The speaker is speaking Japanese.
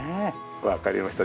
わかりました。